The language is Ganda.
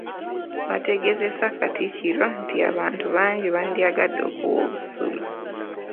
Baategeezezza Katikkiro nti abantu bangi bandyagadde okuwa obusuulu.